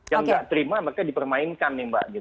yang nggak terima maka dipermainkan nih mbak